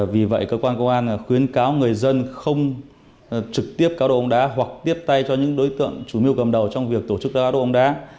vì vậy cơ quan công an khuyến cáo người dân không trực tiếp cao độ ống đá hoặc tiếp tay cho những đối tượng chủ mưu cầm đầu trong việc tổ chức cao độ ống đá